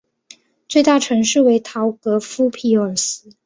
最大城市为陶格夫匹尔斯。